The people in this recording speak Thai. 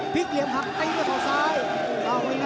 พลิกเหลี่ยมหักตั้งตัวซ้ายตั้งตัวข้าวขวา